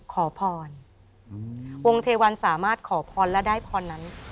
ขอพรวงเทวันสามารถขอพรและได้พรนั้น